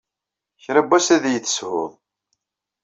Kra n wass ad iyi-teshuḍ.